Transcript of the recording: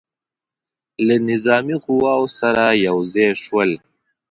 له نظامي قواوو سره یو ځای شول.